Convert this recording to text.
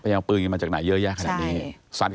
เอาปืนกันมาจากไหนเยอะแยะขนาดนี้